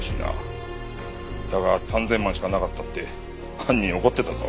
だが３０００万しかなかったって犯人怒ってたぞ。